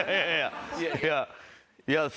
いやいやいやあ。